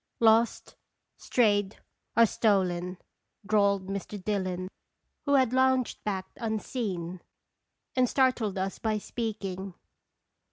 "Lost, strayed, or stolen," drawled Mr. Dillon, who had lounged back unseen, and startled us by speaking.